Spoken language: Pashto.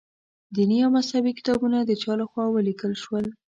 دیني او مذهبي کتابونه د چا له خوا ولیکل شول.